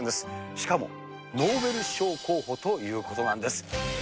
しかも、ノーベル賞候補ということなんです。